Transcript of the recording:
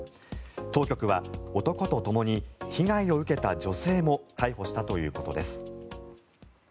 当局は、男とともに被害を受けた女性も逮捕したということです。